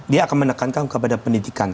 dia akan menekankan kepada pendidikan